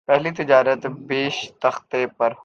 پہلی تجارت بیشتختے پر ہوتی ہے